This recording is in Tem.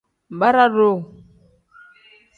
Bara-duu.